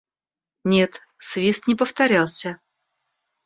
Нет, свист не повторялся.